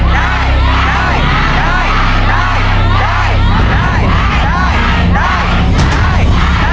ได้ได้ได้